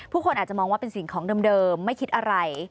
คนอาจจะมองว่าเป็นสิ่งของเดิมไม่คิดอะไร